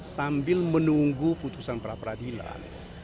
sambil menunggu putusan pra peradilan